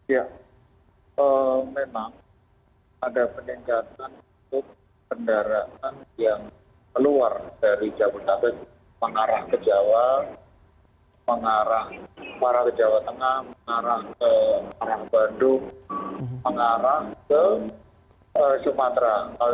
ya memang ada peningkatan untuk kendaraan yang keluar dari jabodetabek mengarah ke jawa mengarah ke jawa tengah mengarah ke arah bandung mengarah ke sumatera